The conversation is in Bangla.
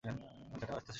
বাচ্চাটাও আসতেছে সামনে।